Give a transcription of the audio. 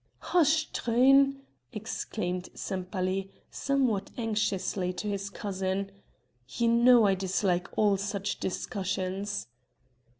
"Hush, Truyn!" exclaimed Sempaly, somewhat anxiously to his cousin. "You know I dislike all such discussions."